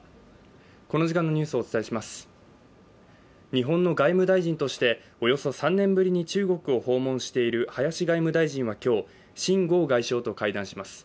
日本の外務大臣としておよそ３年ぶりに中国を訪問している林外務大臣は今日、秦剛外相と会談します。